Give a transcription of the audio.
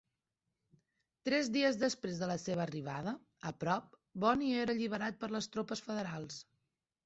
Tres dies després de la seva arriba, a prop, Bonny era alliberat per les tropes federals.